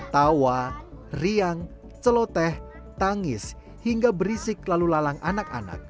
tawa riang celoteh tangis hingga berisik lalu lalang anak anak